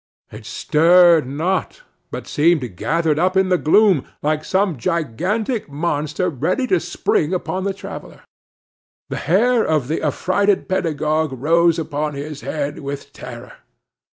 It stirred not, but seemed gathered up in the gloom, like some gigantic monster ready to spring upon the traveller. The hair of the affrighted pedagogue rose upon his head with terror.